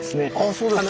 そうですか。